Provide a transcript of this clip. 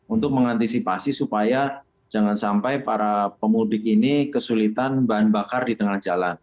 untuk mengantisipasi supaya jangan sampai para pemudik ini kesulitan bahan bakar di tengah jalan